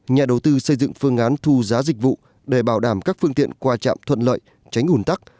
nhà đầu tư xây dựng phương án thu giá dịch vụ để bảo đảm các phương tiện qua trạm thuận lợi tránh ủn tắc